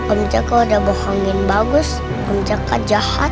om jaka udah bohongin bagus om jaka jahat